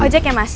ojek ya mas